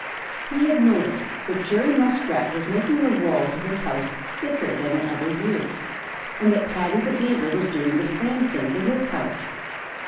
He had noticed that Jerry Muskrat was making the walls of his house thicker than in other years, and that Paddy the Beaver was doing the same thing to his house.